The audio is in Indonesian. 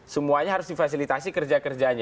semuanya harus difasilitasi kerja kerjanya